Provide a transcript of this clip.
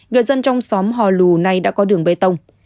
người dân trong xóm hò lù nay đã có đường bê tông